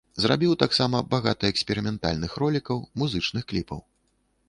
Зрабіў таксама багата эксперыментальных ролікаў, музычных кліпаў.